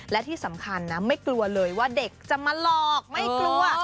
และที่สำคัญนะไม่กลัวเลยว่าเด็กจะมาหลอกไม่กลัว